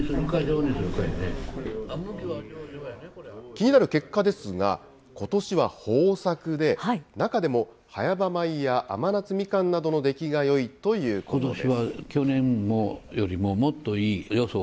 気になる結果ですが、ことしは豊作で、中でも早場米や甘夏みかんなどのできがよいということです。